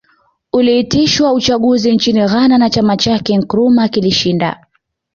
Uliitishwa uchaguzi nchini Ghana na chama chake Nkrumah kilishinda